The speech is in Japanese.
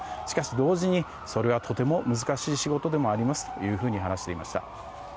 しかし、同時にそれはとても難しい仕事でもありますと話していました。